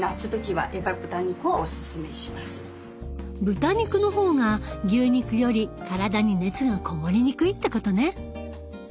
豚肉の方が牛肉より体に熱がこもりにくいってことね。